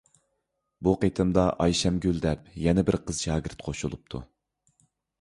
بۇ قېتىمدا ئايشەمگۈل دەپ يەنە بىر قىز شاگىرت قوشۇلۇپتۇ.